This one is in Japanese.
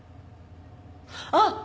あっ！